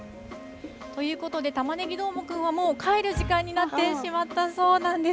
ということでたまねぎどーもくんはもう帰る時間になってしまったそうなんです。